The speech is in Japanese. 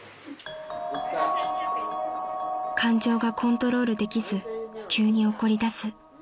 ［感情がコントロールできず急に怒りだす］